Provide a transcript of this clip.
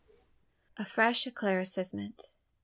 A FRESH ECLAIRCISSEMENT.